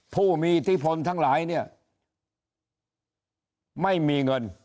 ผู้มีอิทธิพลทั้งหลายเนี่ยไม่มีเงิน